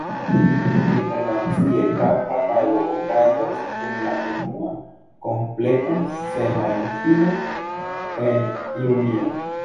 Internacie kampa tago okazas dum la unua kompleta semajnfino en junio.